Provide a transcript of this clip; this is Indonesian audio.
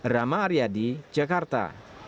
rama aryadi jakarta